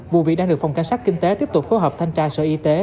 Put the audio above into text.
vụ việc đang được phòng cảnh sát kinh tế tiếp tục phối hợp thanh tra sở y tế